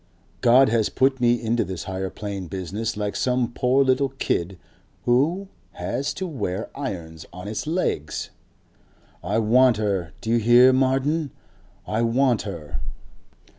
"God has put me into this Higher Plane business like some poor little kid who has to wear irons on its legs." "I WANT her.... Do you hear, Martin? I want her."